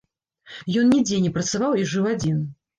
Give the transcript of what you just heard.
Ён нідзе не працаваў і жыў адзін.